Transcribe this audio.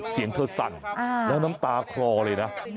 เสียงเธอสั่นแล้วน้ำตาคลอเลยนะ